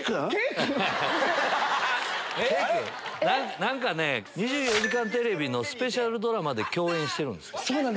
何かね『２４時間テレビ』のスペシャルドラマで共演してるんですって。